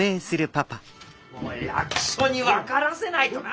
お役所に分からせないとな。